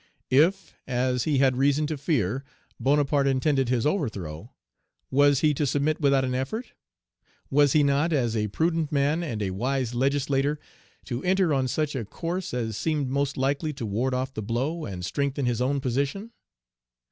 If, as he had reason to fear, Bonaparte intended his overthrow, was he to submit without an effort? Was he not, as a prudent man and a wise legislator, to enter on such a course as seemed most likely to ward off the blow, and strengthen his own position?